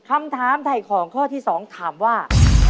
คำถามไถ่ของข้อที่๒ถามว่า